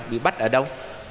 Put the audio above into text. bị bắt ở đâu